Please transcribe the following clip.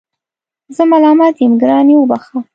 زه ملامت یم ګرانې وبخښه